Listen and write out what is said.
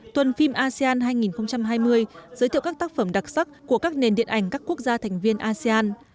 tuần phim asean hai nghìn hai mươi giới thiệu các tác phẩm đặc sắc của các nền điện ảnh các quốc gia thành viên asean